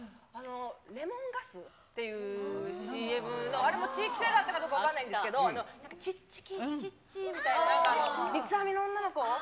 レモンガスっていうＣＭの、あれも地域性があったのかどうか分からないんですけど、ちっちきちっちーみたいな、みつあみの女の子。